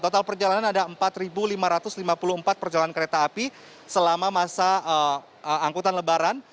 total perjalanan ada empat lima ratus lima puluh empat perjalanan kereta api selama masa angkutan lebaran